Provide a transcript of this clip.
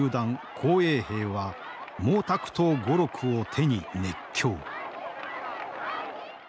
紅衛兵は「毛沢東語録」を手に熱狂。